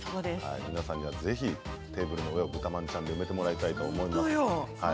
皆さんにはぜひテーブルの上をぶたまんちゃんで埋めてもらいたいと思います。